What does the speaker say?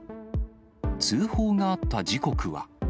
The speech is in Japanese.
通報があった時刻は。